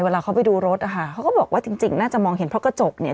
เวลาเขาไปดูรถนะคะเขาก็บอกว่าจริงจริงน่าจะมองเห็นเพราะกระจกเนี่ย